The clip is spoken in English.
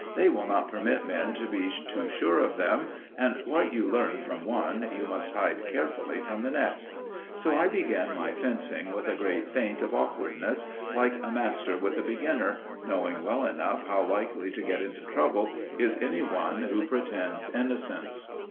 They will not permit men to be too sure of them, and what you learn from one, you must hide carefully from the next. So I begin my fencing with a great feint of awkwardness, like a master with a beginner, knowing well enough how likely to get into trouble is any one who pretends innocence.